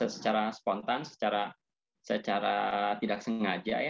secara spontan secara tidak sengaja